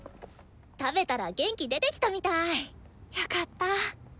食べたら元気出てきたみたい。よかった。